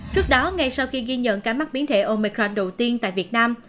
trước đó ngay sau khi ghi nhận ca mắc biến thể omicron đầu tiên tại việt nam